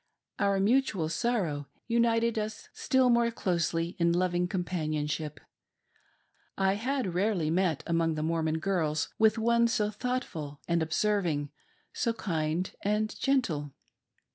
Our mutual sorrow united us still more closely in loving companionship. I had rarely met among the Mormon girls with one so thoughtful and observ ing, so kind and gentle.